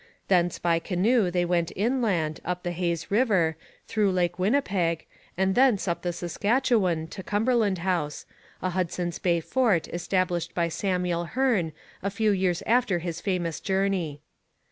Thence by canoe they went inland, up the Hayes river, through Lake Winnipeg and thence up the Saskatchewan to Cumberland House, a Hudson's Bay fort established by Samuel Hearne a few years after his famous journey.